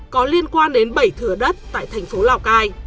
có liên quan đến bảy thửa đất tại thành phố lào cai